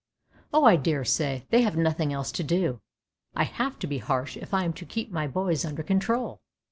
" "Oh I daresay, they have nothing else to do! I have to be harsh if I am to keep my boys under control!